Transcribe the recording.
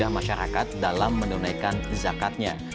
dan juga masyarakat dalam menunaikan zakatnya